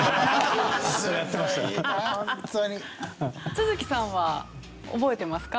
都築さんは覚えてますか？